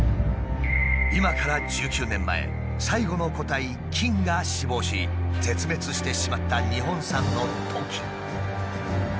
今から１９年前最後の個体キンが死亡し絶滅してしまった日本産のトキ。